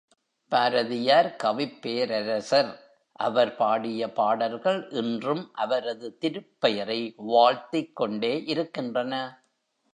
பாரதியார் கவிப்பேரரசர் அவர் பாடிய பாடல்கள் இன்றும் அவரது திருப்பெயரை வாழ்த்திக் கொண்டே இருக்கின்றன.